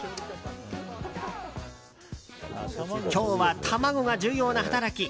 今日は、卵が重要な働き。